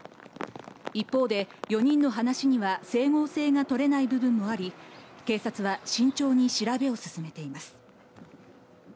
一方で４人の話には整合性がとれない部分もあり、警察は慎重に調べを進めています。